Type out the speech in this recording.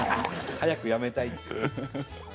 早く辞めたいっていうね。